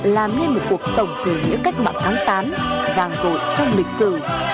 làm nên một cuộc tổng khởi nghĩa cách mạng tháng tám vàng rội trong lịch sử